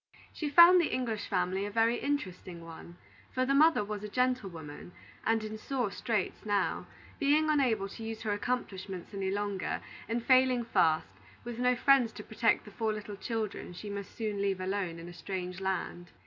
She found the English family a very interesting one, for the mother was a gentlewoman, and in sore straits now, being unable to use her accomplishments any longer, and failing fast, with no friends to protect the four little children she must soon leave alone in a strange land.